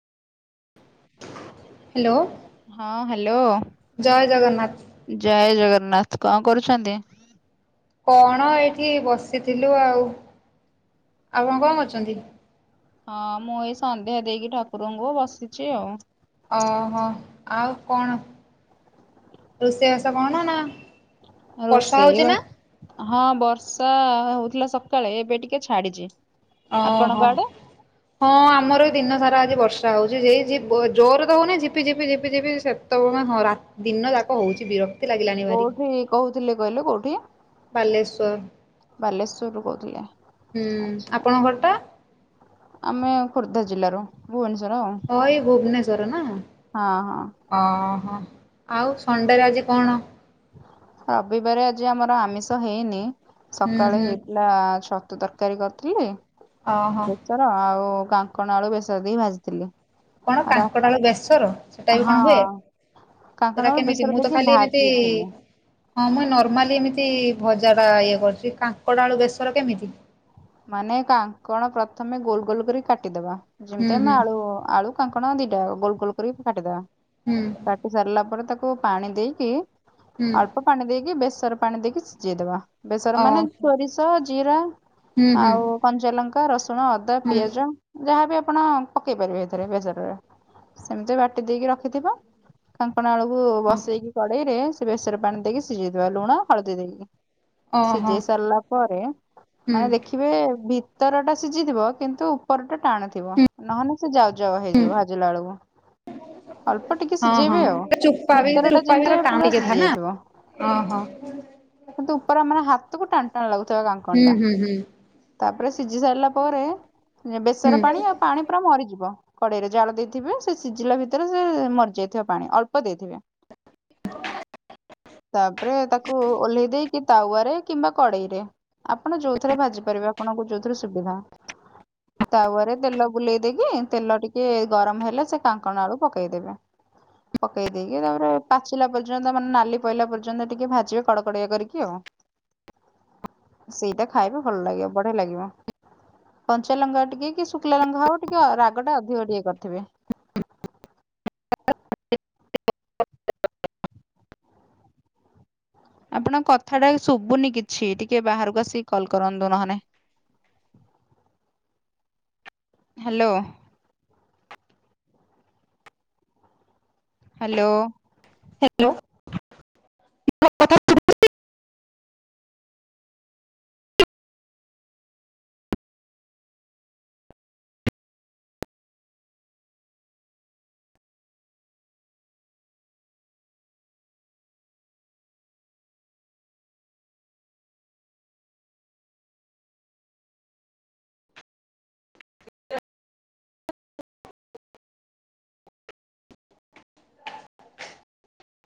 Hello. ହଁ hello ଜୟ ଜଗନ୍ନାଥ। ଜୟ ଜଗନ୍ନାଥ କଣ କରୁଛନ୍ତି? କଣ ଏଇଠି ବସିଥିଲୁ ଆଉ ଆପଣ କଣ କରୁଛନ୍ତି? ହଁ ମୁଁ ଏଇ ସନ୍ଧ୍ୟା ଦେଇକି ଠାକୁରଙ୍କୁ ବସିଛି ଆଉ। ଓହୋ ଆଉ କଣ ରୋଷେଇବାସ କଣ ନା ବର୍ଷା ରୋଷେଇ ହଉଛି ବ ନା? ହଁ ବର୍ଷା ହଉଥିଲା ସକାଳେ ଏବେ ଟିକେ ଛାଡ଼ିଛି। ଓହୋ। ହଁ ଆମର ବି ଦିନ ସାରା ଆଜି ବର୍ଷା ହଉଛି ସେଇ ଜି ବ ଜୋର୍ ତ ହଉନି ଝିପିଝିପି ଝିପି ଝିପି ସେ ତେବେଳୁ ହଁ ରା ଦିନ ଯାକ ହଉଛି ବିର କୋଉଠି କହୁଥିଲେ କହିଲୁ କୋଉଠି? ବାଲେଶ୍ଵର। ବାଲେଶ୍ଵରରୁୁ କହୁଥିଲେ ହୁଁ ଆଚ୍ଛା। ଆପଣଙ୍କ ଘରଟା? ଆମେ ଖୋର୍ଦ୍ଧା ଜିଲ୍ଲାରୁ ଭୁବନେଶ୍ୱର ଆଉ। ହଁ ଏଇ ଭୁବନେଶ୍ୱର ହଁ ହଁ ନା? ଓହୋ ଆଉ ଷଣ୍ଡେରେ ଆଜି କଣ? ରବିବାର ଆଜି ଆମର ଆମିଷ ହେଇନି ହୁଁ ସକାଳେ ହୁଁ ହେଇଥିଲା ଛତୁ ତର ତରକାରୀ କରିଥିଲି ଓହୋ। ବେସର ଆଉ କାଙ୍କଣ ଆଳୁ ବେସର ଦେଇ ଭାଜିଥିଲି। କଣ ରା କାଙ୍କଡଆଳୁ ବେସର ସେଟା ବି କଣ ହୁଏ। ହଁ ହେଟା କାଙ୍କଣକୁ କେମିତି ବେସର ମୁଁ ତ ଦେଇକି ଖାଲି ଏମିତି ଭାଜିଥିଲି। ହଁ ମୁ ଏ ନର୍ମାଲି ଏମିତି ଭଜା ଟା ଇଏ କରୁଛି କାଙ୍କଡ ଆଳୁ ବେସର କେମିତି। ମାନେ କାଙ୍କଣ ପ୍ରଥମେ ଗୋଲ ଗୋଲ କରି କାଟିଦବା ହୁଁ ଯେମିତି ଆମେ ହୁଁ ଆଳୁ ଆଳୁ କାଙ୍କଣ ଦିଟା ଗୋଲ ଗୋଲ କରି କାଟିଦବା ହୁଁ କାଟି ସାରିଲା ପରେ ତାକୁ ପାଣି ଦେଇକି ହୁଁ ଅଳ୍ପ ପାଣି ଦେଇକି ବେସର ପାଣି ଦେଇକି ସିଝେଇଦବା ବେସର ମାନେ ଓହୋ ସୋରିଷ ଜିରା ହୁଁ ହୁଁ ଆଉ କଞ୍ଚାଲଙ୍କା ରସୁଣ ଅଦା ହୁଁ ପିଆଜ। ଯାହାବି ଆପଣ ପକେଇ ପାରିବେ ଏଥିରେ ବେସରରେ ସେମିତି ବାଟି ଦେଇକି ରଖିଥିବ। କାଙ୍କଣ ଆଳୁକୁ ହଁ ବସେଇକି କଡେଇରେ ସେ ବେସରେ ପାଣି ଦେଇକି ସିଝେଇଦବା ଲୁଣ ହଳଦୀ ଦେଇକି। ଓହୋ ସିଝେଇ ସାରିଲା ପରେ ହୁଁ ମାନେ ଦେଖ ଦେଖିବେ ଭିତର ଟା ସିଝିଥିବ କିନ୍ତୁ ଉପର ଟା ଟାଣଥିବ। ନହେଲେ ସେ ଯାଉ ଯାଉଆ ହୁଁ ହେଇଯିବ ଭାଜିଲା ଳକୁ। ଅଳ୍ପ ଟିକେ ହଁ ହଁ ସିଝେଇବେ ଆଉ ଚୋପା ଭିତର ଟା ଯେମିତି ପୁରା ସିଝି ଯାଇଥିବ। ଅଁ ହଁ। କିନ୍ତୁ ଉପରେ ଆମର ହାତକୁ ଟାଣ ଟାଣ ଲାଗୁଥିବ କାଙ୍କନ ଟା। ଉଁ ହୁଁ। ତାପରେ ସିଝି ସାରିଲା ପରେ ହୁଁ ବେସର ପାଣି ହ୍ୟାଲୋ ଆଉ ପାଣି ପୁରା ମରିଯିବ। କଡେଇରେ ଜାଳ ଦେଇଥିବେ ସେ ସିଝିଲା ଭିତରେ ସେ ମରିଯାଇଥିବ ପାଣି ଅଳ୍ପ ଦେଇଥିବେ। ତାପରେ ତାକୁ ଓହ୍ଲେଇ ଦେଇକି କି ତାୱରେ କିମ୍ବା କଡେଇ ରେ ଆପଣ ଯୋଉଥିରେ ଭାଜି ପାରିବେ ଆପଣଙ୍କୁ ଯୋଉଥିରେ ସୁବିଧା। [inaudible] ତାୱରେ ତେଲ ବୁଲେଇ ଦେଇକି ତେଲ ଟିକେ ଗରମ ହେଲେ ସେ କାଙ୍କଣ ଆଳୁ ପକେଇଦେବେ। ପକେଇ ଦେଇକି ତାପରେ ପାଚିଲା ପର୍ଯ୍ୟନ୍ତ ମାନେ ନାଲି ପଇଲା ପର୍ଯ୍ୟନ୍ତ ଟିକେ ଭାଜିବେ କଡକଡିଆ କରିକି ଆଉ। [inaudible] ସେଇଟା ଖାଇବେ ଭଲ ଲାଗିବ ବଢିଆ ଲାଗିବ। କଞ୍ଚାଲଙ୍କା ଟିକେ କି ଶୁଖିଲା ଲଙ୍କା ହଉ ଟିକେ ରାଗ ଟା ଅଧିକ ଟିକେ କରିଥିବେ। ଆପଣ କଥାଟା ଶୁଭୁନି କିଛି ଟିକେ ବାହାରକୁ ଆସିକି କଲ୍ କରନ୍ତୁ ନହେଲେ। କାହିଁ। ହ୍ୟାଲୋ। ହ୍ୟାଲୋ। ହ୍ୟାଲୋ।